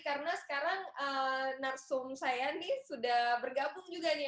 karena sekarang narsum sayani sudah bergabung juga nih